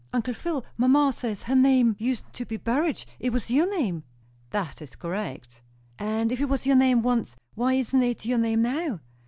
"Uncle Phil, mamma says her name usen't to be Burrage it was your name?" "That is correct." "If it was your name once, why isn't it your name now?"